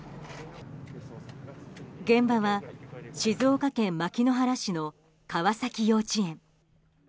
現場は静岡県牧之原市の川崎幼稚園。